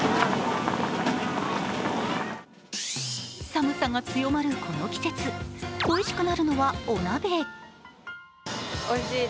寒さが強まるこの季節恋しくなるのはお鍋。